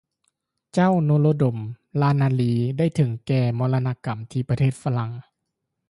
ເຈົ້າ ໂນໂຣດົມ ຣານາຣີດ ໄດ້ເຖິງແກ່ມໍລະນະກໍາ ທີ່ປະເທດຝຣັ່ງ